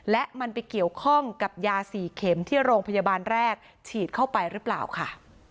และมันไปเกี่ยวข้องกับยา๔เข็มที่โรงพยาบาลแรกฉีดเข้าไปหรือเปล่าค่ะ